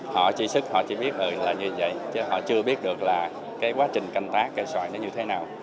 họ truy xuất họ chỉ biết là như vậy chứ họ chưa biết được là cái quá trình canh tác cây xoài nó như thế nào